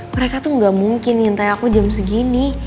mereka tuh gak mungkin nyintai aku jam segini